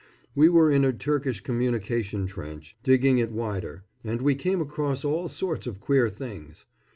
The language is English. We were in a Turkish communication trench, digging it wider, and we came across all sorts of queer things.